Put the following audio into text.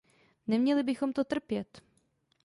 Neměli bychom to trpět!